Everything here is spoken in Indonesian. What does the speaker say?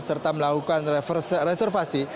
serta melakukan reservasi